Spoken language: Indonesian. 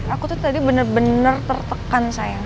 aku tuh tadi benar benar tertekan sayang